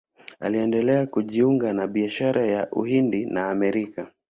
Iliendelea kujiunga na biashara ya Uhindi na Amerika.